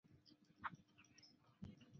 纳沃伊州是乌兹别克十二个州份之一。